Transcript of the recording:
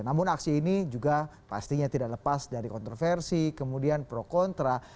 namun aksi ini juga pastinya tidak lepas dari kontroversi kemudian pro kontra